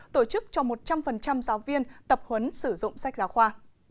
tổ chức cho một trăm linh giáo viên tập huấn sử dụng sách giáo khoa